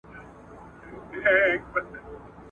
تعلیم د فقر په له منځه وړلو کي مهمه ونډه لري.